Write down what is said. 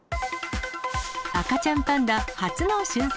赤ちゃんパンダ初の春節。